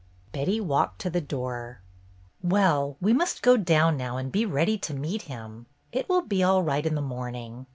Betty walked to the door. "Well, we must go down now and be ready to meet him. It will be all right in the morn ing